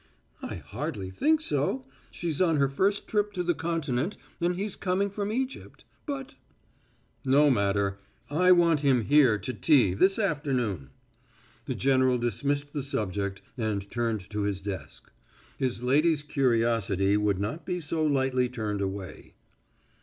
"I hardly think so she on her first trip to the Continent and he coming from Egypt. But " "No matter. I want him here to tea this afternoon." The general dismissed the subject and turned to his desk. His lady's curiosity would not be so lightly turned away.